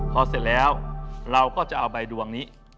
พอเสร็จแล้วเราก็จะเอาใบดวงนี้